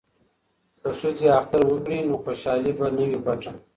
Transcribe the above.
که ښځې اختر وکړي نو خوشحالي به نه وي پټه.